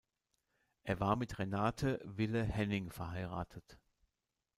Er war mit Renate Wille-Henning verheiratet.